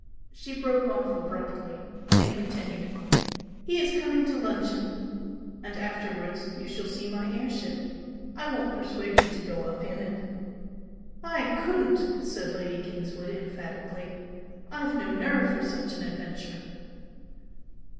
She broke off abruptly then continued "He is coming to luncheon, and afterwards you shall see my air ship. I won't persuade you to go up in it!" "I COULDN'T!" said Lady Kingswood, emphatically "I've no nerve for such an adventure."